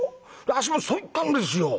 あっしもそう言ったんですよ。